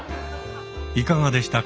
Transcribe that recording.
いかがでしたか。